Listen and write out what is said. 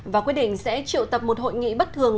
và quyết định sẽ triệu tập một hội nghị bất thường